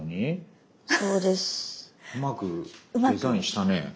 うまくデザインしたね。